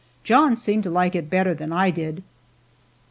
John seemed to like it better than I did.